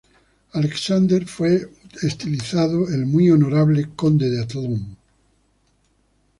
Alexander fue estilizado "El Muy Honorable" Conde de Athlone.